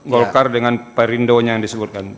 golkar dengan perindonya yang disebutkan